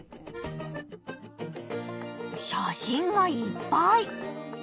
写真がいっぱい！